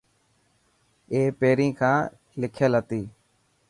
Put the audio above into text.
اي پهرين کان لکيل هتي.